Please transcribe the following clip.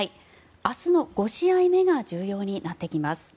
明日の５試合目が重要になってきます。